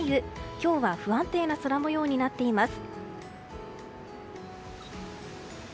今日は不安定な空模様になっています。